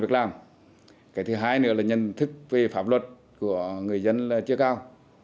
cái thứ hai nữa là nhân thức về pháp luật của người dân chưa cao